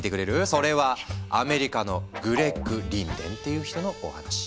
それはアメリカのグレッグ・リンデンっていう人のお話。